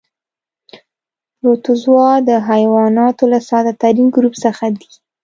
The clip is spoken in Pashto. پروتوزوا د حیواناتو له ساده ترین ګروپ څخه دي.